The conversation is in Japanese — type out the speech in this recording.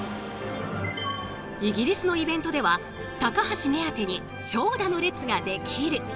イギリスのイベントでは高橋目当てに長蛇の列が出来る。